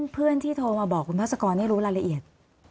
เพื่อนที่โทรมาบอกคุณภาษากรรู้รายละเอียด